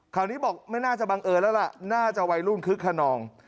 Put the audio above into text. คราวนี้บอกไม่น่าจะบังเอิญแล้วล่ะน่าจะวัยรุ่นคึกขนอง